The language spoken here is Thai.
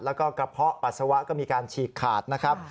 แล้วก็กระเพาะปัสสาวะก็มีการฉีกขาดนะครับ